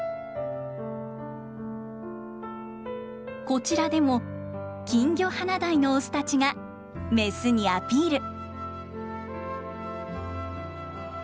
こちらでもキンギョハナダイのオスたちがメスにアピール。